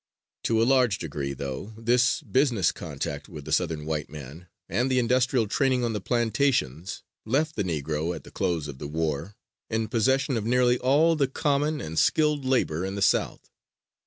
To a large degree, though, this business contact with the Southern white man, and the industrial training on the plantations, left the Negro at the close of the war in possession of nearly all the common and skilled labor in the South.